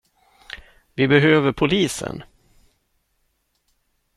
Vi behöver polisen.